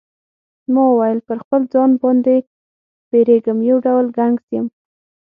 ما وویل پر خپل ځان باندی بیریږم یو ډول ګنګس یم.